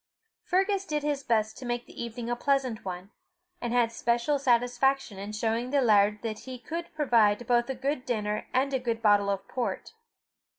Fergus did his best to make the evening a pleasant one, and had special satisfaction in showing the laird that he could provide both a good dinner and a good bottle of port.